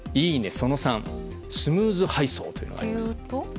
その３スムーズ配送というのがあります。